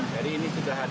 jadi ini sudah hadir